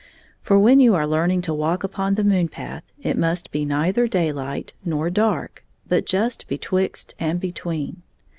For when you are learning to walk upon the moon path it must be neither daylight nor dark, but just betwixt and between.